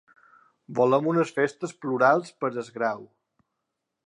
Volem unes festes plurals per al Grau.